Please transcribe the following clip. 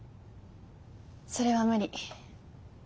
それは無理。